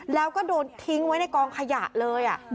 แล้วก็โดนทิ้งไว้ในกองขยะเลย